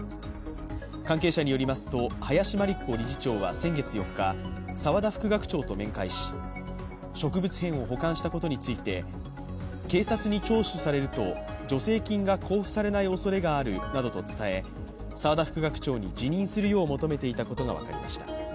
関係者によりますと、林真理子理事長は先月４日、沢田副学長と面会し植物片を保管したことについて警察に聴取されると助成金が交付されないおそれがあるなどと伝え沢田副学長に辞任するよう求めていたことが分かりました。